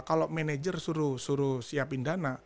kalau manajer suruh suruh siapin dana